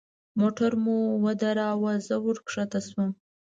موټر مو ودراوه زه ورکښته سوم.